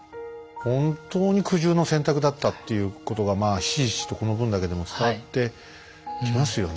本当に苦渋の選択だったっていうことがまあひしひしとこの文だけでも伝わってきますよね。